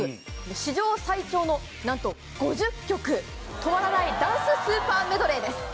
史上最長のなんと５０曲、止まらないダンススーパーメドレーです。